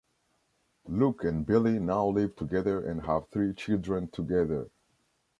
Luke and Billie now live together and have three children together.